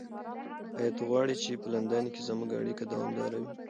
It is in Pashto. ایا ته غواړې چې په لندن کې زموږ اړیکه دوامداره وي؟